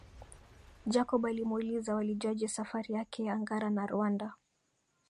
Jacob alimuuliza walijuaje safari yake ya Ngara na Rwanda